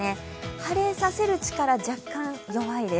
晴れさせる力、若干弱いです。